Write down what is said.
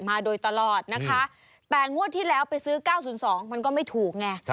มาโดยตลอดนะคะแต่งวดที่แล้วไปซื้อ๙๐๒มันก็ไม่ถูกไง